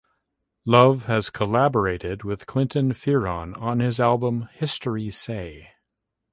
Love has collaborated with Clinton Fearon on his album "History Say".